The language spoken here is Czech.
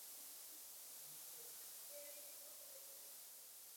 Gary má vlastní malířskou firmu a po rozvodu si koupil vlastní dům.